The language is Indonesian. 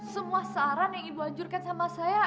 semua saran yang ibu anjurkan sama saya